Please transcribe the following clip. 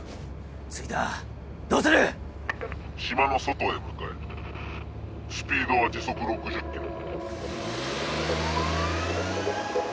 着いたどうする⁉島の外へ向かえスピードは時速６０キロ。